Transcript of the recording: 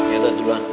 ya udah duluan